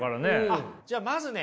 あっじゃあまずね